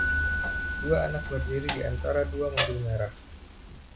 Dua anak berdiri di antara dua mobil merah.